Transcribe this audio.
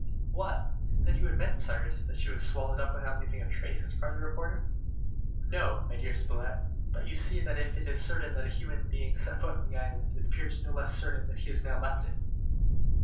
"What! then you admit, Cyrus, that she was swallowed up without leaving any trace?" cried the reporter. "No, my dear Spilett, but you see that if it is certain that a human being set foot on the island, it appears no less certain that he has now left it."